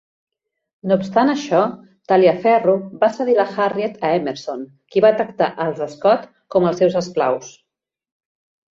No obstant això, Taliaferro va cedir la Harriet a Emerson, qui va tractar als Scott com els seus esclaus.